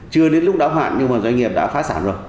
chưa đến lúc đáo hạn nhưng mà doanh nghiệp đã phá sản rồi